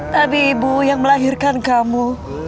tapi ibu yang melahirkan kamu